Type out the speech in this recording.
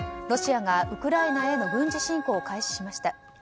ロシアがウクライナへの軍事侵攻を開始しました。